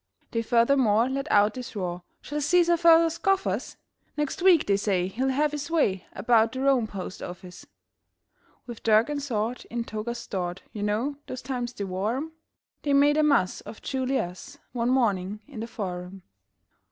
They furthermore let out this roar: "Shall Cæsar further scoff us? Next week, they say, he'll have his way About the Rome postoffice." With dirk and sword in togas stored You know those times they wore 'em They made a muss of Ju li us One morning in the Forum.